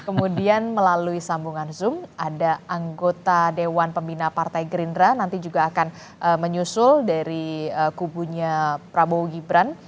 kemudian melalui sambungan zoom ada anggota dewan pembina partai gerindra nanti juga akan menyusul dari kubunya prabowo gibran